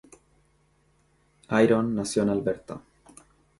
Iron nació en Alberta.